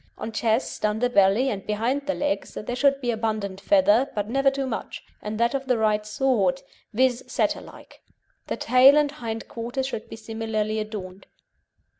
On chest under belly, and behind the legs, there should be abundant feather, but never too much, and that of the right sort, viz., Setter like. The tail and hind quarters should be similarly adorned.